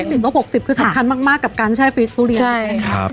การเซ็ตอุณหภูมิลบบ๖๐องศาคือสำคัญมากกับการใช้ฟิศทุเรียน